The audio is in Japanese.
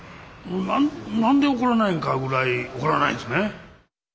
何で怒らないのかぐらい怒らないですね。